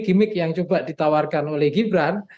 gimmick yang coba ditawarkan oleh gibran